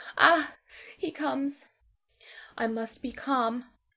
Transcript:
Ah, he comes! I must be calm.